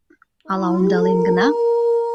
Ала ондален гына?